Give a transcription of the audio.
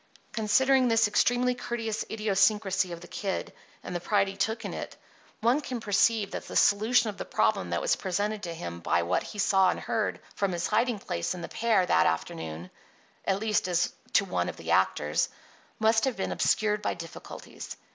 Considering this extremely courteous idiosyncrasy of the Kid and the pride he took in it, one can perceive that the solution of the problem that was presented to him by what he saw and heard from his hiding place in the pear that afternoon (at least as to one of the actors) must have been obscured by difficulties.